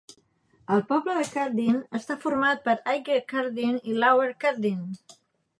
El poble de Carden està format per Higher Carden i Lower Carden.